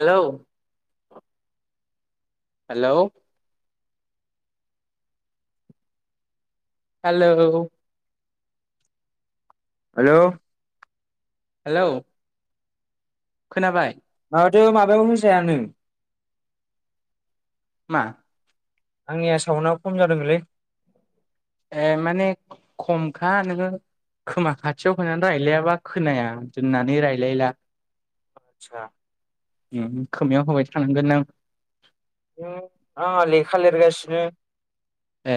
Hello hello hello hello hello खोनाबाय? माथो माबायाव होजायानो मा? आंनिया साउन्टआ खम जादोंगोनलै। ए माने खमखा नोङो खोमा खाथियाव होनानै रायलायाबा खोनाया दोननानै रायलायला। आदसा उम खोमायाव होबाय थानांगोन नों। ओ आंहा लेखा लिरगासिनो। ए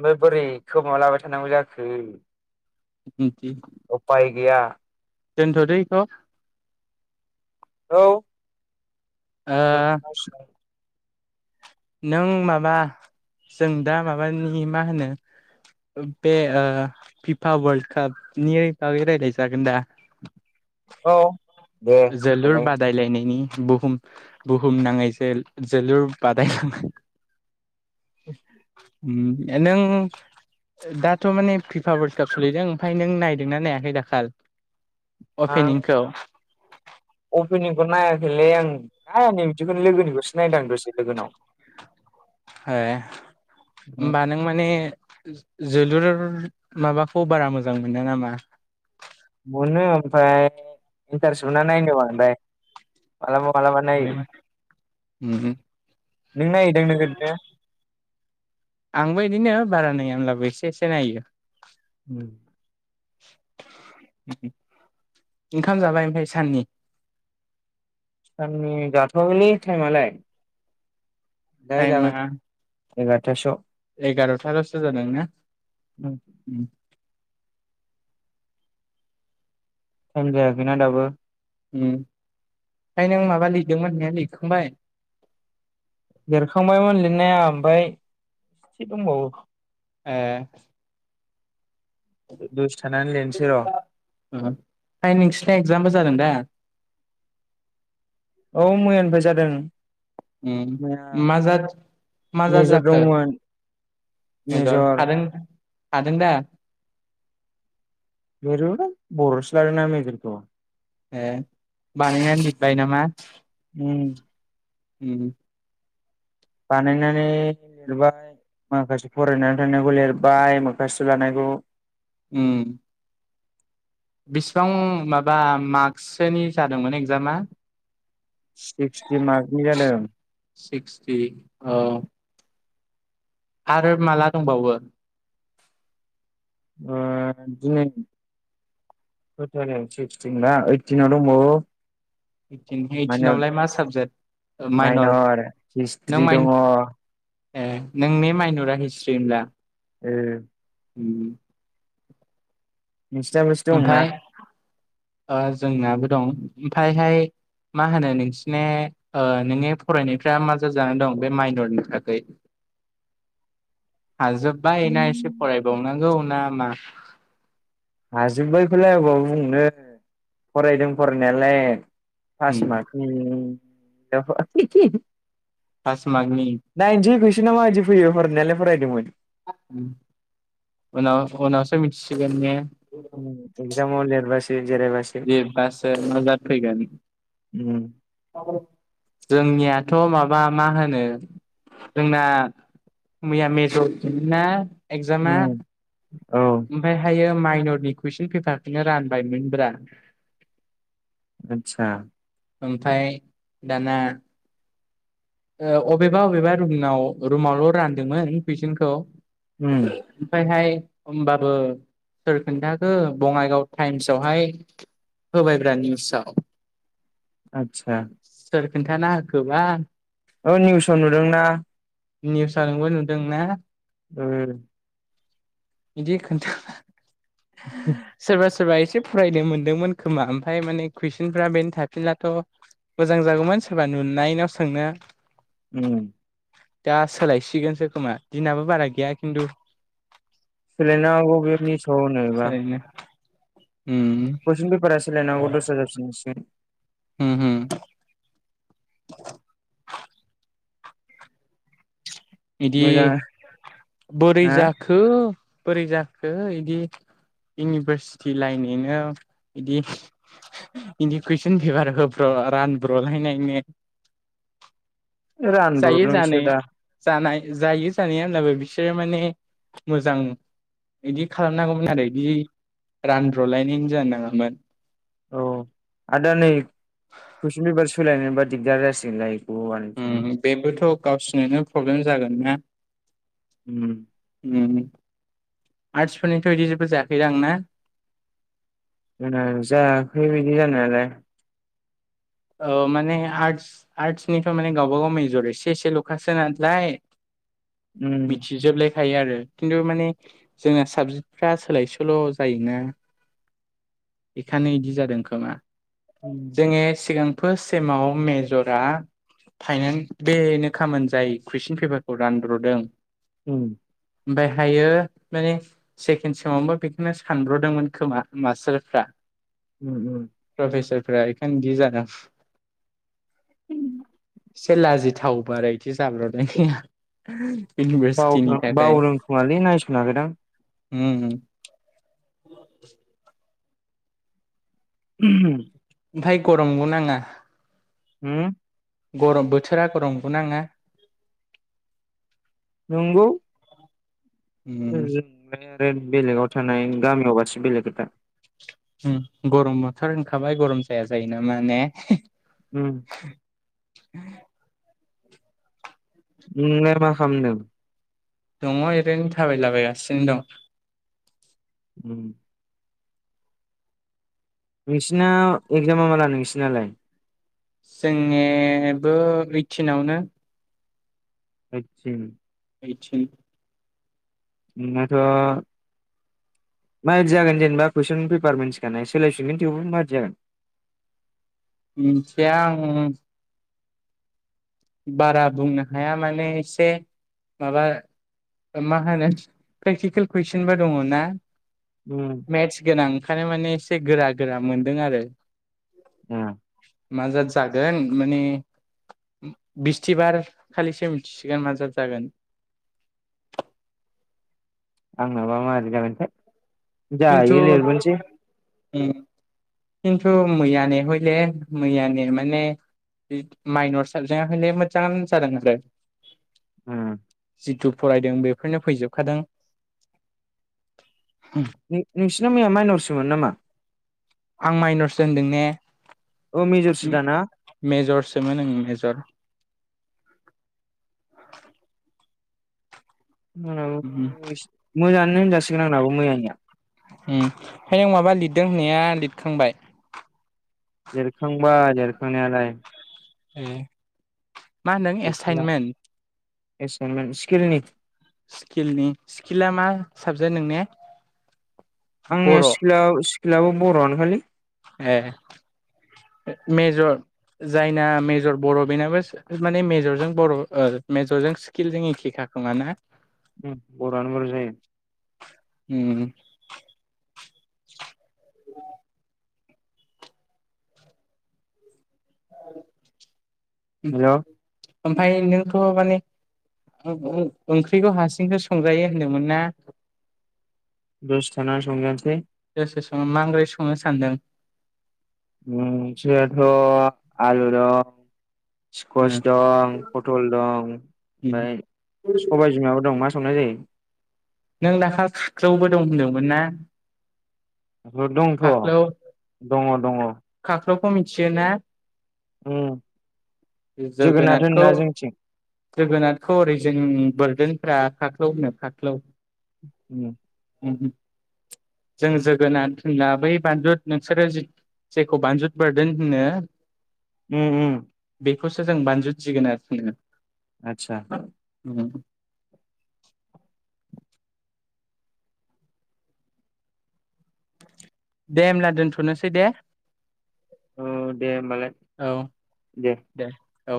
ओमफाय बोरै खोमा लाबाय थानांगौ जाखो? बिदि उफाय गैया। [inaudible] दोनथ'दो इखौ। औ। ओ दोनथ'नांसिगोन। नों माबा जों दा माबानि मा होनो बे फिफा वार्ल्ड कापनि बागै रायलाय जागोन दा? औ। दे जोलुर दालाय बादायलायनायनि। बुहुम बुहुम नाङै जो-जोलुर बादायला [unintelligible] [inaudible] उम नों दाथ' माने फिफा वार्ल्ड काप सोलिदों ओमफाय नों नायदोंना नायाखै दाखाल? आं अपेनिंखौ। अपेनिंखौ नायाखैलै आं आइ आं बिदिखौ लोगोनिखौसो नायदां दसे लोगोनाव। हे होमबा नों माने जोलुर माबाखौ बारा मोजां मोना नामा? फाय इन्टारेस्ट मोना नायनो बांद्राय। मालाबा मालाबा नायो। ओमहो। नों नायोदां नोगोर नो? आंबो इदिनो बारा नाया होनब्लाबो एसे एसे नायो। उम। ओंखाम जाबाय ओमफाय साननि? साननि जाथवाखैलै टाइमालाय? दाहाय टाइमा जागोन एगारथासोआव। एगार'थाल'सो जादों ना? ओं । टाइम जायाखै ना दाबो । उम आमफाय नों माबा लिरदोंमोन होन्नाया लिरखांबाय? लेरखांबायमोन लिरनाया आमफाय एसे दंबावो‌ ए‌। [unintelligible] दसे थानानै लिरनोसै ओम र' आमफाय नोंसिनि एक्जामबो जादों दा? औ मैयानिफ्राय जादों ओं । ओम मा जाद मा मेजर जा-जाखो दंमोन मेजर हादों हादोंदा? लेरोलै बर'सो लादोंना मेजरखौ । ए बानायनानै लिरबाय नामा? उम । उम । बानायनानै लिरबाय माखासे फरायनानै थांनायखौ लिरबाय मोखासथ' लानायखौ । उम । बेसिबां माबा मार्कससोनि जादोंमोन एगजामा? सिक्सटि मार्कनि जादों । सिक्सटि औ आरो माला दंबावो? ओ दिनै खै टारिक सिक्सटिन बा? ओइटिनाव दंबावो । ओइटिन ओइटिनावलाय मा साबजेक्ट? ओ माइनर नों हिस्ट्रि दङ माइन ओ ए नोंनि माइन'रा हिस्ट्रि होनब्ला? ओ । उम । नोंस्राबोसो दं ना? ओमफ्राय ओ जोंनाबो दं ओमफायहाय मा होनो नोंसिने ओ नोंने फरायनायफ्रा मा जा-जानानै दं बे माइनरनि थाखै? हाजोब्बाय ना दंना एसे फरायबावनांगौ ना मा? हाजोब्बायखौलाय अबाव बुंनो फरायदों फरायनायालाय । उम फास मार्कनि [unintelligible] फास मार्कनि । सना माबायदि फैयो फरायनायालाय फरायदोंमोन। उनाव-उनावसो मिथिसिगोन ने? एक्जामाव लिरबासो जिरायबासो [unintelligible] माबा फैगोन । उम जोंनियाथ' माबा मा होनो जोंना मैया मेजरिटिनि ना एगजामा। उम औ ओमफायहायो माइनरनि कुइसन पेपारखौनो रानबायमोनब्रा। आतसा ओमफ्राय दाना ओ अबेबा अबेबा रुमनाव रुमावल' रानदोंमोन कुइसनखौ। उम ओमफ्राय हाय होमबाबो सोर खोन्थाखो बङाइगाव टाइम्सावहाय होबायब्रा निउसाव। आतसा सोर खोन्थाना होखोबा। औ निउसाव नुदोंना। निउस नोंबो नुदों ना? उम बिदि खोन्था सोरबा [inaudible] सोरबा एसे फरायनो मोनदोंमोन खोमा ओमफ्राय माने कुइसनफ्रा बेनो थाफिनलाथ' मोजां जागौमोन सोरबा नुनायनाव सोंनो। उम दा सोलायसिगोनसो खोमा दिनाबो बारा गैया खिन्थु। सोलायनो हागौ बे निउसआव होनायबा। सोलायनो उम कुइसन बेपारा सोलायनो हागौ दस्रा जाफिनसिगोन। होम होम [inaudible] बिदि मोजां बोरै हा जाखो? बोरै जाखो इदि इउनिभारसिटि लायनायनो इदि इदि कुइसन पेपार होब्र' रानब्र'लायनायनो। जायो रानब्रबदोंसो जानाय दा जानाय जायो जानाय होनलाबो बिसोरो माने मोजां बिदि खालामनांगौमोन आरो बिदि रानब्र'लायनायनो जानो नाङामोन। औ आदा नै कुइसन पेपार सोलायनायबा दिगदार जासिगोनलाय थोथ। ओम बेबोथ' गावसिनोनो प्रब्लेम जागोनना। उम उम आर्टसफोरनिथ' बिदि जेबो जायाखैदां ना? जाङो जायाखै बिदि जानायालाय। ओ माने आर्टस आर्ट्सनिथ' माने गावबा गाव मेजर एसे एसेल'खासो नालाय उम मिथिजोबले थायो आरो खिन्थु माने जोंना साबजेक्टफ्रा सोलाय सोल' जायोना बेखायनो इदि जादों खोमा। जोङो [inaudible] सिगांफोर सेमाव मेज'रा फाइनाल बेनो खामोन जाय कुइसन पेपारखौ रानद्र'दों। उम ओमफ्रायहायो माने सेकेण्ड समावबो बेखौनो सानब्र'दोंमोन खोमा मास्टारफ्रा उम उम फ्रायख गि जा [unintelligible] उम से लाजि थाव ब्रा इदि जाब्र'नाया बावदों बावदोंखोमालै नायस'नाखै दां होम होम [inaudible] [inaudible] ओमफाय गरम नङा? होम गरम बोथोरा गरमबो नाङा नंगौ [unintelligible] उम आरो बेलेगाव थानाय गामियावबासो बेलेग खोथा होम गरम बोथोर होनखाबाय गरम जाया जायो नामा ने ओम [inaudible] नोंलाय मा खामदों? दङ ओरैनो थाबायलाबायगासिनो दं उम नोंसिना एगजामा माला नोंसिनालाय? जोंनियाबो ओइटिनावनो ओइटिन ओइटिन नोंनाथ' मादि जागोन जेनेबा कुइसन पेपार मोनथिखानाय सोलायफिनगोन थेवबो मादि जागोन मोनथिया आङो बारा बुंनो हाया माने एसे माबा ओ मा होनो प्रेक्टिकेल कुइसनबो दङ ना? उम मेथ्स गोनां ओंखाय माने एसे गोरा गोरा मोनदों आरो ए मा जा-जागोन माने बिस्थिबार खालिसो मिथिसिगोन मा जा-जागोन आंनाबा मादि जागोनथाय खिन्थु जायो लिरबोनोसै उम खिन्थु मैया ने हयले मैयानि माने इ माइन'र साबजेक्टआ हले मोजाङानो जादों आरो। उम जिथु फरायदों बेफ फोरनो फैजोबखादों। नोंसिना मैया माइन'रसमोन नामा? आं माइन'रसो होनदों ने? औ मेजरसो दाना मेजरसोमोन ओं मेजर। आंनाबो मोजाङानो होनजासिगोन आंनाबो मैयानिया। ओमफ्राय आं माबा लिरदों होननाया लिरखांबाय? लिरखांबाय लिरखांनायालाय। ए मा होनदों गैथ'ला एसाइनमेन्ट? एसाइनमेन्ट स्किलनि। स्किलनि, स्किला मा साबजेक्ट नोंने? आंने बर' सिकेलाव सि लाव बर'आनो खालै। ए मेजर जायना मेजर बर' बेनाबो सि माने मेजरजों बर' ओ मेजरजों स्किलजों एखेखा खोमा ना? उम बर'आनो बर' जायो। उम [inaudible] औ हेल'। ओमफाय नोंथ' माने ओं ओं ओंख्रिखौ हारसिंसो संजायो होनदोंमोन ना? दसे थाना संजानोसै। सोर सोर सं मा ओख्रै संनो सानदों। ओम जोंनाथ' आलु दं। स्कवाच उम दं पटल दं उम ओमफाय सबाइ बिमाबो दं मा संनाय जायो। नों दाखाल खाख्लौबो दं होनदोंमोन ना? दंथ' खाख्लौ दङ दङ। खौ मिन्थियो ना? उम जोगोनाथ होनोना जोंनिथिं। जोगोनाथखौ ओरै जों बोरदोनफ्रा खाख्लौ होनो खाख्लौ। उम उम हो जों जोगोनाथ होनला बै बानजुद नोंसोरो जेखौ बानजुद बोरदोन होनो उम उम। बेखौसो जों बानजुद जोगोनाथ होनो। आतसा। उम दे होमब्ला दोनथ'नोसै दे। औ दे होमबालाय, औ दे। औ।